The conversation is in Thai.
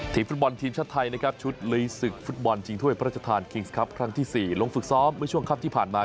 ทีมฟุตบอลทีมชาติไทยนะครับชุดลี่สึกฟุตบอลจริงถ้วยพระราชทานครั้งที่๔ลงฝึกซ้อมในช่วงคลับที่ผ่านมา